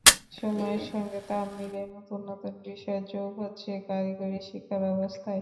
সময়ের সঙ্গে তাল মিলিয়ে নতুন নতুন বিষয় যোগ হচ্ছে কারিগরি শিক্ষাব্যবস্থায়।